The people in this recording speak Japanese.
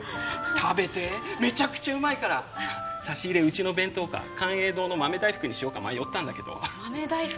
食べてメチャクチャうまいから差し入れうちの弁当か寛永堂の豆大福にしようか迷ったんだけど豆大福？